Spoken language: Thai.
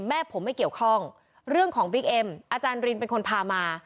แม่ผมไม่เกี่ยวข้องเรื่องของบิ๊กเอ็มอาจารย์รินเป็นคนพามา